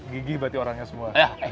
gigi berarti orangnya semua